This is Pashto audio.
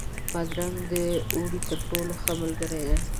بادرنګ د اوړي تر ټولو ښه ملګری دی.